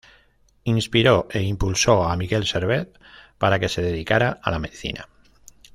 Inspiró e impulsó a Miguel Servet para que se dedicara a la medicina.